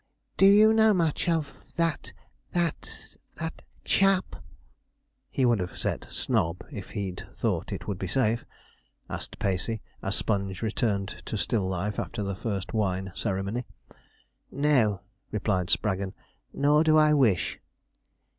'Do you know much of that that that chap?' (he would have said snob if he'd thought it would be safe) asked Pacey, as Sponge returned to still life after the first wine ceremony. 'No,' replied Spraggon, 'nor do I wish.'